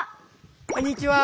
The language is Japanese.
こんにちは！